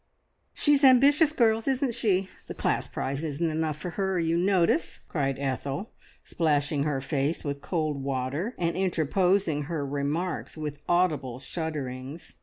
"She's ambitious, girls, isn't she? The class prize isn't enough for her, you notice!" cried Ethel, splashing her face with cold water, and interposing her remarks with audible shudderings.